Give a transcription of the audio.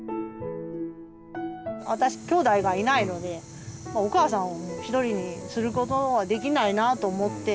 私きょうだいがいないのでお母さんを一人にすることはできないなと思って。